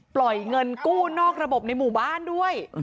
ปล่อยเงินกู้นอกระบบในหมู่บ้านด้วย